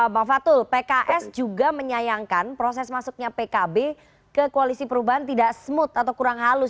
bang fatul pks juga menyayangkan proses masuknya pkb ke koalisi perubahan tidak smooth atau kurang halus